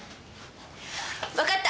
わかった！